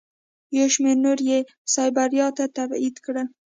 یو شمېر نور یې سایبریا ته تبعید کړل.